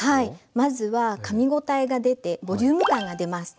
まずはかみごたえが出てボリューム感が出ます。